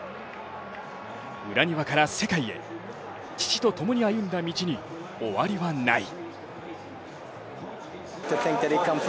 裏庭から世界へ父とともに歩んだ道に終わりはない。